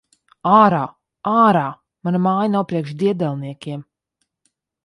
Ārā! Ārā! Mana māja nav priekš diedelniekiem!